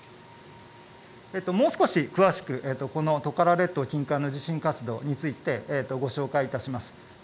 もう少し詳しく、このトカラ列島近海の地震活動についてご紹介いたします。